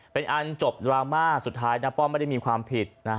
เป็นอันจบดราม่าสุดท้ายน้าป้อมไม่ได้มีความผิด